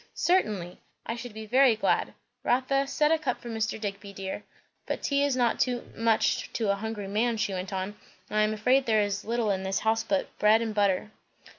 "Certainly! I should be very glad. Rotha, set a cup for Mr. Digby, dear. But tea is not much to a hungry man," she went on; "and I am afraid there is little in the house but bread and butter."